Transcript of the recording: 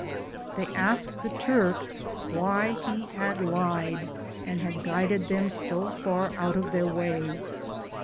They asked the Turk why he had lied and had guided them so far out of their way.